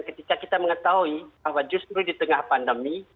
ketika kita mengetahui bahwa justru di tengah pandemi